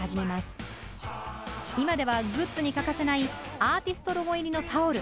今ではグッズに欠かせないアーティストロゴ入りのタオル